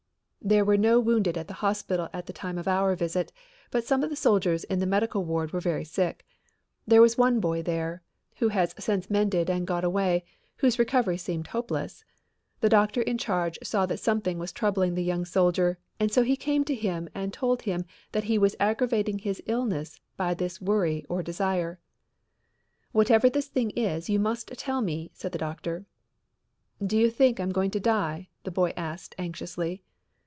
There were no wounded at the hospital at the time of our visit, but some of the soldiers in the medical ward were very sick. There was one boy there, who has since mended and gone away, whose recovery seemed hopeless. The doctor in charge saw that something was troubling the young soldier and so he came to him and told him that he was aggravating his illness by this worry or desire. "Whatever this thing is, you must tell me," said the doctor. "Do you think I'm going to die?" the boy asked anxiously.